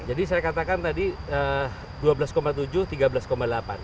jadi saya katakan tadi dua belas tujuh triliun tiga belas delapan triliun